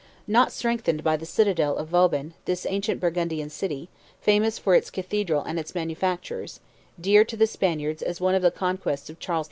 Not yet strengthened by the citadel of Vauban, this ancient Burgundian city, famous for its cathedral and its manufactures, dear to the Spaniards as one of the conquests of Charles V.